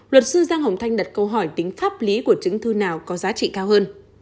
luật sư giang hồng thanh đặt câu hỏi tính pháp lý của chứng thư nào có giá trị cao hơn